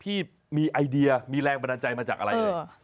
พี่มีไอเดียมีแรงบันดาลใจมาจากอะไรเอ่ย